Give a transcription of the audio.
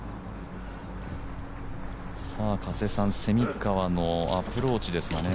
加瀬さん、蝉川のアプローチですがね。